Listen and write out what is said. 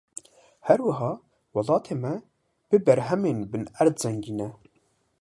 Her wiha welatê me bi berhemên binerd zengîn e.